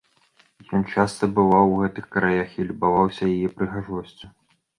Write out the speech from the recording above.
Ён часта бываў у гэтых краях і любаваўся яе прыгажосцю.